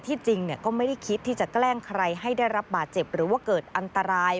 จริงก็ไม่ได้คิดที่จะแกล้งใครให้ได้รับบาดเจ็บหรือว่าเกิดอันตราย